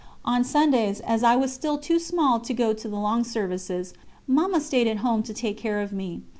On Sundays, as I was still too small to go to the long services, Mamma stayed at home to take care of me.